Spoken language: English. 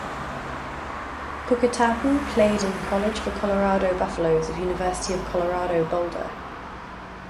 Puketapu played in college for Colorado Buffaloes of University of Colorado Boulder.